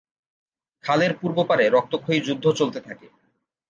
খালের পূর্ব পারে রক্তক্ষয়ী যুদ্ধ চলতে থাকে।